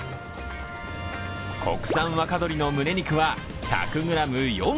国産若鶏のむね肉は１００ｇ４８円。